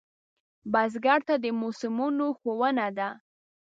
بزګر ته د موسمونو ښوونه ده